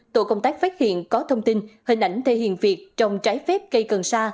tổ công tác phát hiện có thông tin hình ảnh thể hiện việc trồng trái phép cây cần sa